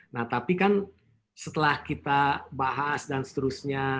nah tapi kan setelah kita bahas dan seterusnya